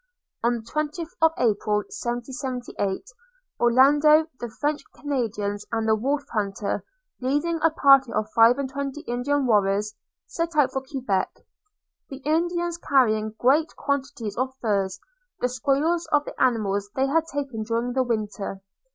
On the 20th of April 1778, Orlando, the French Canadians, and the Wolf hunter leading a party of five and twenty Indian warriors, set out for Quebec – the Indians carrying great quantities of furs, the spoils of the animals they had taken during the Winter.